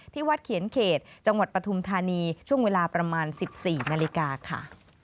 ที่วัดเขียนเขตจังหวัดปฐุมธานีช่วงเวลาประมาณ๑๔นาฬิกาค่ะ